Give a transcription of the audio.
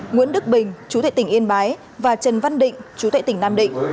nguyễn đức bình chú tệ tỉnh yên bái và trần văn định chú thệ tỉnh nam định